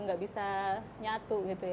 nggak bisa nyatu gitu ya